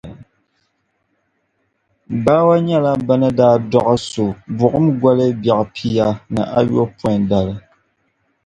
Bawa nyɛla bɛ ni daa dɔɣi so buɣim goli biɛɣu pia ni ayopɔidali.